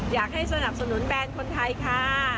อยากให้สนับสนุนแบรนด์คนไทยค่ะ